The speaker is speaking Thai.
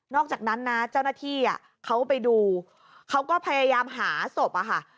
อกจากนั้นนะเจ้าหน้าที่เขาไปดูเขาก็พยายามหาศพอะค่ะ